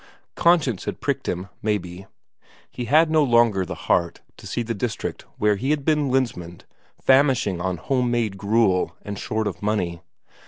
Conscience had pricked him, maybe; he had no longer the heart to see the district where he had been Lensmand famishing on home made gruel and short of money.